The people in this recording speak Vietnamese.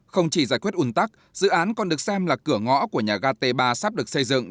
không chỉ giải quyết un tắc dự án còn được xem là cửa ngõ của nhà ga t ba sắp được xây dựng